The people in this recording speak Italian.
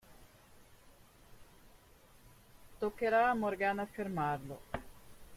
Toccherà a Morgana fermarlo.